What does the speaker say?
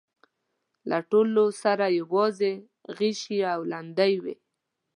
له ټولو سره يواځې غشي او ليندۍ وې.